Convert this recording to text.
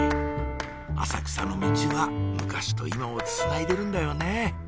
浅草のミチは昔と今をつないでるんだよね